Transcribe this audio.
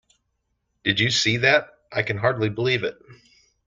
Did you see that? I can hardly believe it!